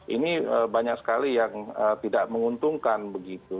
ini banyak sekali yang tidak menguntungkan begitu